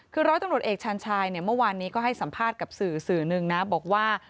คือร้อยตำรวจเอกชาญชายเนี่ยเมื่อวานนี้ก็ให้สัมภาษณ์กับสื่อสื่อหนึ่งนะบอกว่า